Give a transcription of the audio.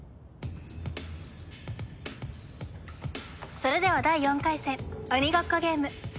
それでは第４回戦鬼ごっこゲームスタートです。